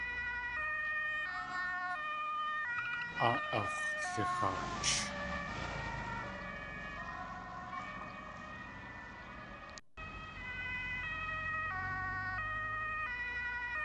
Áa ax̲wlixaach.